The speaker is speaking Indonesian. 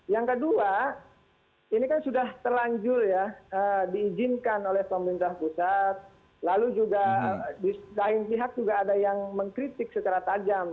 yang kedua ini kan sudah terlanjur ya diizinkan oleh pemerintah pusat lalu juga di lain pihak juga ada yang mengkritik secara tajam